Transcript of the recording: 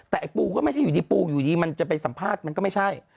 แต่ไอ้ปูก็ไม่ใช่อยู่ดีปูอยู่ดีมันจะไปสัมภาษณ์มันก็ไม่ใช่